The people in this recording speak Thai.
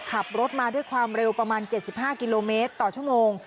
ขับรถมาด้วยความเร็วประมาณ๗๕กิโลเมตรต่อชั่วโมง